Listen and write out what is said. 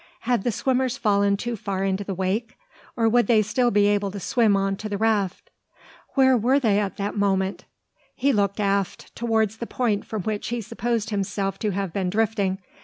Had the swimmers fallen too far into the wake? Or would they still be able to swim on to the raft? Where were they at that moment? He looked aft, towards the point from which he supposed himself to have been drifting.